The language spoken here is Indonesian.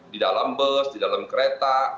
di dalam bus di dalam kereta